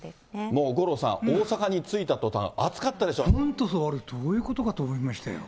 もう五郎さん、大阪に着いた途端、暑かったでしょ。、どういうことかと思いましたよ。